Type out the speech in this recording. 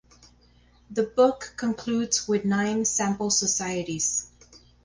The book concludes with nine sample societies.